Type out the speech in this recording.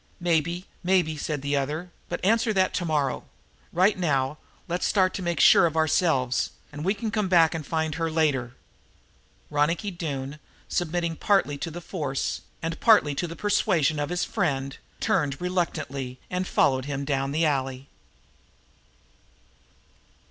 "Maybe, maybe," said the other, "but answer that tomorrow; right now, let's start to make sure of ourselves, and we can come back to find her later." Ronicky Doone, submitting partly to the force and partly to the persuasion of his friend, turned reluctantly and followed him down the alley.